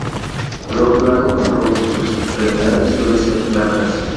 Color blanco con rojo, sus extremidades suelen ser blancas.